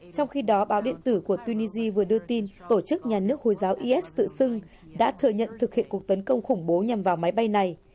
trong khi đó báo điện tử của tunisia vừa đưa tin tổ chức nhà nước hồi giáo is tự xưng đã thừa nhận thực hiện cuộc tấn công khủng bố nhằm vào máy bay này